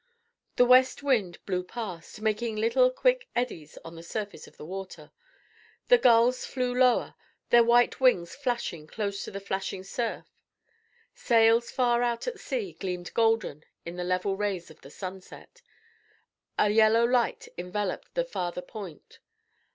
The west wind blew past, making little quick eddies on the surface of the water. The gulls flew lower, their white wings flashing close to the flashing surf; sails far out at sea gleamed golden in the level rays of the sunset; a yellow light enveloped the farther point.